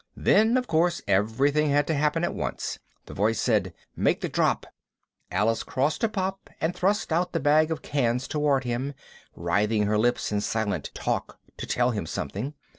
Then of course everything had to happen at once. The voice said, "Make the drop!" Alice crossed to Pop and thrust out the bag of cans toward him, writhing her lips in silent "talk" to tell him something.